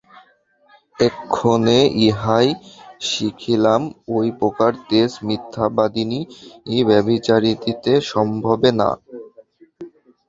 এক্ষণে ইহাই শিখিলাম, ঐ প্রকার তেজ মিথ্যাবাদিনী ব্যাভিচারিণীতে সম্ভবে না।